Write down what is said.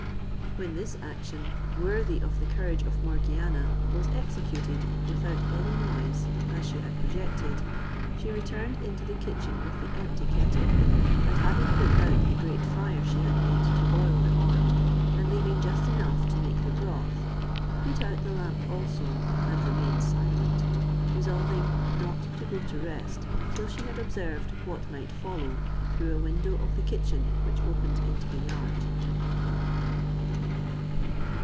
When this action, worthy of the courage of Morgiana, was executed without any noise, as she had projected, she returned into the kitchen with the empty kettle; and having put out the great fire she had made to boil the oil, and leaving just enough to make the broth, put out the lamp also, and remained silent; resolving not to go to rest till she had observed what might follow through a window of the kitchen, which opened into the yard.